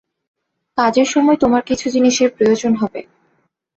কাজের সময় তোমার কিছু জিনিসের প্রয়োজন হবে।